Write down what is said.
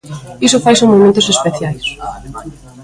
Iso faise en momentos especiais.